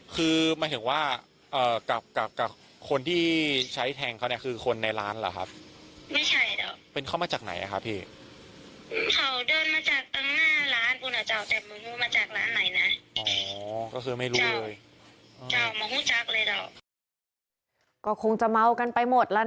ก็คงจะเมาะกันไปหมดแล้วนั่นแหละค่ะ